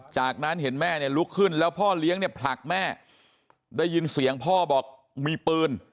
จากนั้นเห็นแม่เนี่ยลุกขึ้นแล้วพ่อเลี้ยงเนี่ยผลักแม่ได้ยินเสียงพ่อบอกมีปืน